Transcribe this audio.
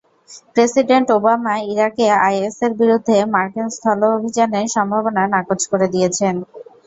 President Obama ইরাকে আইএসের বিরুদ্ধে মার্কিন স্থল অভিযানের সম্ভাবনা নাকচ করে দিয়েছেন।